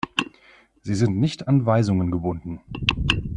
Sie sind nicht an Weisungen gebunden.